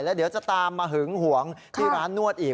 แล้วเดี๋ยวจะตามมาหึงหวงที่ร้านนวดอีก